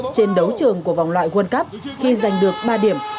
trên đấu trường của vòng loại world cup khi giành được ba điểm